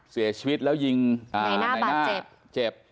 เสียชีวิตแล้วยิงลงในหน้าเจ็บ